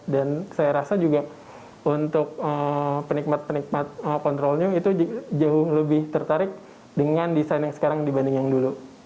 dan saya rasa juga untuk penikmat penikmat control new itu jauh lebih tertarik dengan desain yang sekarang dibanding yang dulu